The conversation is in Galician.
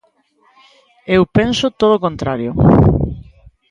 Eu penso todo o contrario.